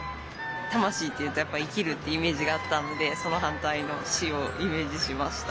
「たましい」というとやっぱり生きるってイメージがあったのでそのはんたいの「し」をイメージしました。